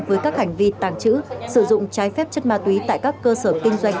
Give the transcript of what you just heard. với các hành vi tàng trữ sử dụng trái phép chất ma túy tại các cơ sở kinh doanh